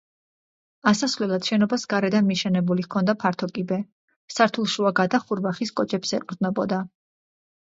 ასასვლელად შენობას გარედან მიშენებული ჰქონდა ფართო კიბე, სართულშუა გადახურვა ხის კოჭებს ეყრდნობოდა.